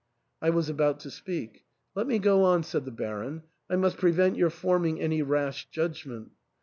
I was about to speak; "Let me go on," said the Baron, "I must prevent your forming any rash judg ment.